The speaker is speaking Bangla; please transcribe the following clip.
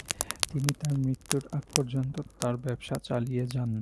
তিনি তার মৃত্যুর আগ পর্যন্ত তার ব্যবসা চালিয়ে যান।